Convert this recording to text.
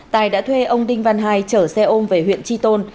tài đã thuê ông đinh văn hai chở xe ôm về huyện tri tôn